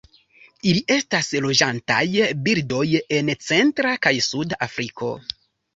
Ili estas loĝantaj birdoj en centra kaj suda Afriko.